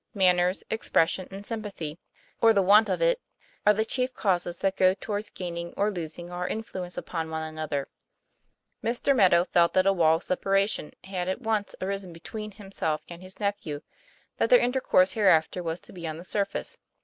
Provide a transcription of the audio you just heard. Manner, expression, and sympathy, or the I3 2 TOM PLAYFAIR. want of it, are the chief causes that go towards gain ing or losing our influence upon one another. Mr. Meadow felt that a wall of separation had at once arisen between himself and his nephew; that their intercourse hereafter was to be on the surface.